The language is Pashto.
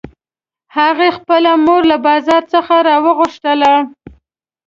هغې خپله مور له بازار څخه راوغوښتله